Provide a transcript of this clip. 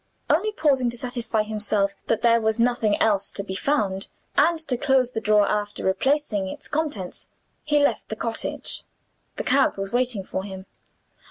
Only pausing to satisfy himself that there was nothing else to be found, and to close the drawer after replacing its contents, he left the cottage. The cab was waiting for him.